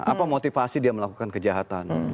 apa motivasi dia melakukan kejahatan